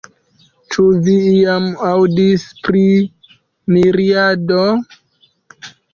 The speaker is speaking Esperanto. Ĉu vi iam aŭdis pri miriado?